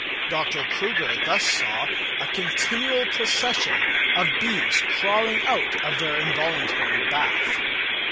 Dr. Crüger saw a "continual procession" of bees thus crawling out of their involuntary bath.